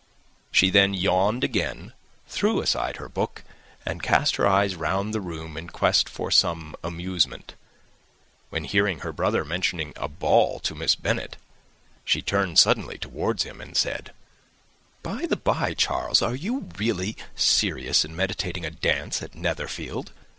She then yawned again, threw aside her book, and cast her eyes round the room in quest of some amusement; when, hearing her brother mentioning a ball to Miss Bennet, she turned suddenly towards him and said, "By the bye Charles, are you really serious in meditating a dance at Netherfield?